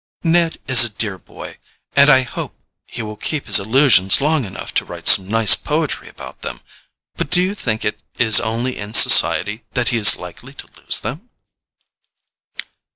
"Ned is a dear boy, and I hope he will keep his illusions long enough to write some nice poetry about them; but do you think it is only in society that he is likely to lose them?"